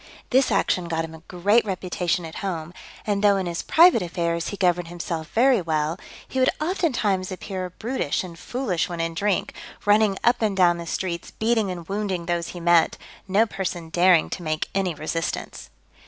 This action got him a great reputation at home; and though in his private affairs he governed himself very well, he would oftentimes appear brutish and foolish when in drink, running up and down the streets, beating and wounding those he met, no person daring to make any resistance.